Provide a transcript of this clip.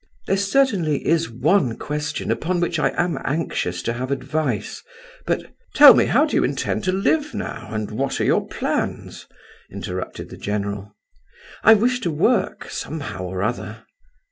There certainly is one question upon which I am anxious to have advice, but—" "Tell me, how do you intend to live now, and what are your plans?" interrupted the general. "I wish to work, somehow or other."